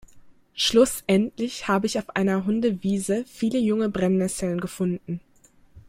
Schlussendlich hab ich auf einer Hundewiese viele junge Brennesseln gefunden.